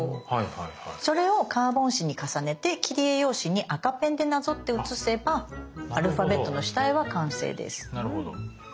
それをカーボン紙に重ねて切り絵用紙に赤ペンでなぞって写せばアルファベットの下絵は完成です。